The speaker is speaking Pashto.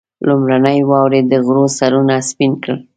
لومړنۍ واورې د غرو سرونه سپين کړل.